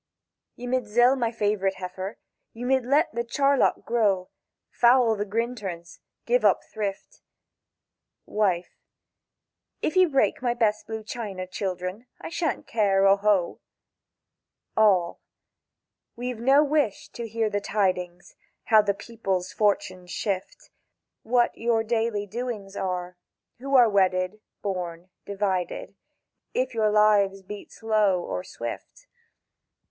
_—"Ye mid zell my favourite heifer, ye mid let the charlock grow, Foul the grinterns, give up thrift." Wife.—"If ye break my best blue china, children, I shan't care or ho." All. —"We've no wish to hear the tidings, how the people's fortunes shift; What your daily doings are; Who are wedded, born, divided; if your lives beat slow or swift.